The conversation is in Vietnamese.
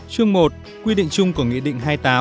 chương một quy định chung của nghị định hai mươi tám